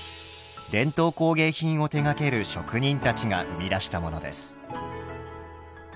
伝統工芸品を手がける職人たちが生み出したものです。